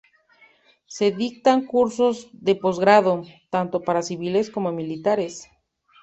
Se dictan cursos de posgrado, tanto para civiles como militares.